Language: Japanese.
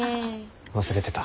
忘れてた。